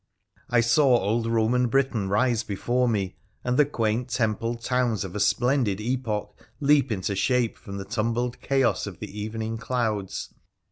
I saw old Eoman Britain rise before me, and the quaint templed towns of a splendid epoch leap into shape from the tumbled chaos of the evening clouds.